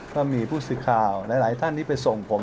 ก็มีผู้สื่อข่าวหลายท่านที่ไปส่งผม